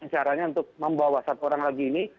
caranya untuk membawa satu orang lagi ini